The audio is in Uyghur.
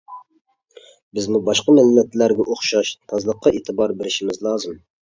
بىزمۇ باشقا مىللەتلەرگە ئوخشاش تازىلىققا ئېتىبار بېرىشىمىز لازىم.